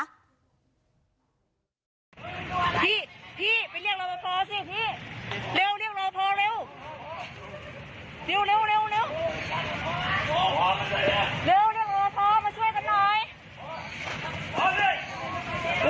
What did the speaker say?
พี่พี่ไปเรียกเรามาพอสิพี่เร็วเรียกเราพอเร็ว